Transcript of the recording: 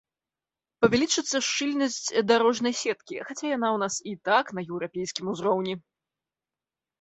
Павялічыцца шчыльнасць дарожнай сеткі, хаця яна ў нас і так на еўрапейскім узроўні.